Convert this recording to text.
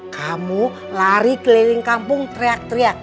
kamu lari keliling kampung teriak teriak